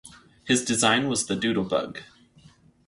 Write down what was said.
His design was the Doodle Bug.